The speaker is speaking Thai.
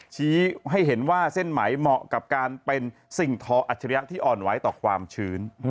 ชี้ให้เห็นว่าเส้นไหมเหมาะกับการเป็นสิ่งทออัจฉริยะที่อ่อนไหวต่อความชื้น